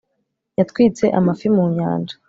yatwitse amafi mu nyanja